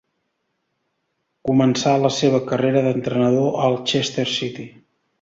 Començà la seva carrera d'entrenador al Chester City.